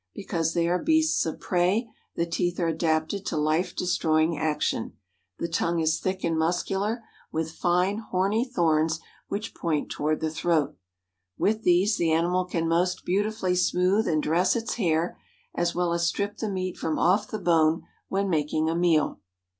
Because they are beasts of prey the teeth are adapted to life destroying action; the tongue is thick and muscular, with fine, horny thorns which point toward the throat. With these the animal can most beautifully smooth and dress its hair, as well as strip the meat from off the bone when making a meal.